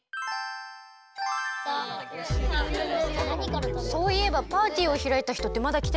そういえばパーティーをひらいたひとってまだきてないよね？